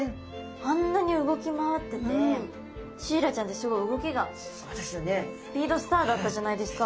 あんなに動き回っててシイラちゃんってすごい動きがスピードスターだったじゃないですか。